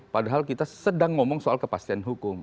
padahal kita sedang ngomong soal kepastian hukum